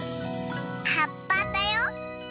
はっぱだよ。